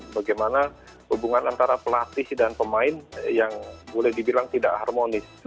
bagaimana hubungan antara pelatih dan pemain yang boleh dibilang tidak harmonis